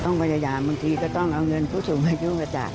ต้องพยายามบางทีก็ต้องเอาเงินผู้สูงมาช่วยกับจักร